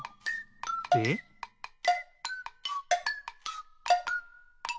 でピッ！